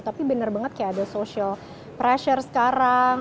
tapi bener banget kayak ada social pressure sekarang